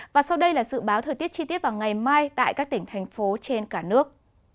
và sau đây là dự báo thời tiết chi tiết vào ngày mai tại các tỉnh thành phố trên cả nước